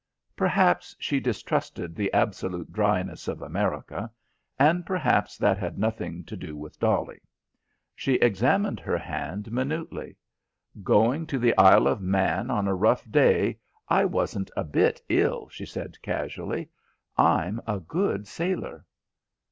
Perhaps she distrusted the absolute dryness of America, and perhaps that had nothing to do with Dolly. She examined her hand minutely. "Going to the Isle of Man on a rough day, I wasn't a bit ill," she said casually. "I'm a good sailor."